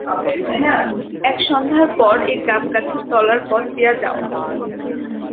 এক সন্ধ্যার পর এ গাবগাছের তলার পথ দিয়া যাওয়া!